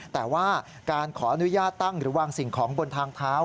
แต่ว่าการขออนุญาตตั้งหรือวางสิ่งของบนทางเท้า